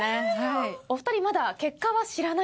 お二人まだ結果は知らないんですよね？